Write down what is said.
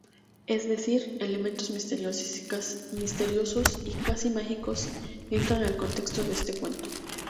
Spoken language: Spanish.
Es decir, elementos misteriosos y casi mágicos entran el contexto de este cuento.